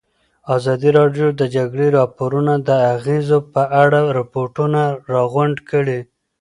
ازادي راډیو د د جګړې راپورونه د اغېزو په اړه ریپوټونه راغونډ کړي.